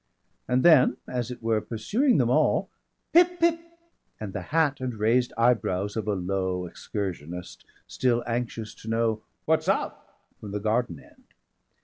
And then, as it were pursuing them all, "Pip, pip," and the hat and raised eyebrows of a Low Excursionist still anxious to know "What's up?" from the garden end.